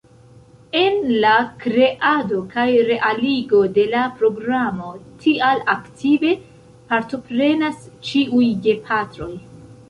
En la kreado kaj realigo de la programo tial aktive partoprenas ĉiuj gepatroj.